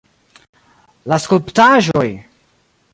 La skulptaĵoj!